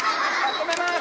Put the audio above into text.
止めます！